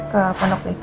ke pondok pita